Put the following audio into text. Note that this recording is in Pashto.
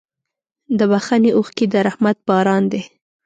د بښنې اوښکې د رحمت باران دی.